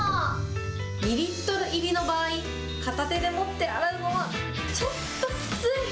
２リットル入りの場合、片手で持って洗うのは、ちょっときつい。